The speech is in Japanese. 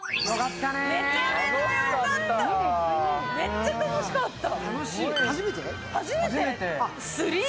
めちゃめちゃよかった。